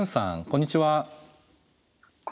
こんにちは。